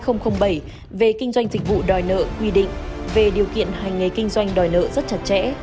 theo nghị định một trăm linh bốn hai nghìn bảy về kinh doanh thịch vụ đòi nợ quy định về điều kiện hành nghề kinh doanh đòi nợ rất chặt chẽ